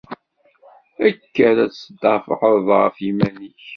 Kker ad tdafɛeḍ ɣef yiman-ik!